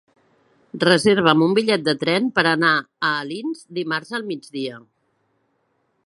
Reserva'm un bitllet de tren per anar a Alins dimarts al migdia.